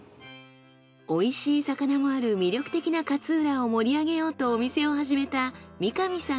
美味しい魚もある魅力的な勝浦を盛り上げようとお店を始めた三上さん